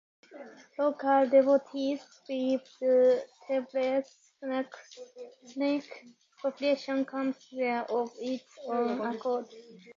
Local devotees believe the temple's snake population comes there of its own accord.